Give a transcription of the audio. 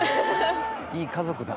いい家族だ。